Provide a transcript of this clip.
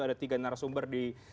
ada tiga narasumber di